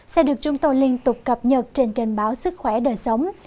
sẽ được chúng tôi liên tục cập nhật trên kênh báo sức khỏe đời sống